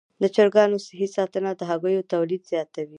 د چرګانو صحي ساتنه د هګیو تولید زیاتوي.